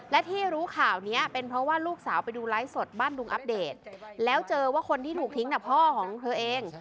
และที่รู้ข่าวนี้เป็นเพราะว่าลูกสาวไปดูไลฟ์สดบ้านดุงอัปเดตแล้วเจอว่าคนที่ถูกทิ้งน่ะพ่อของเธอเอง